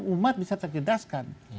umat bisa terjedaskan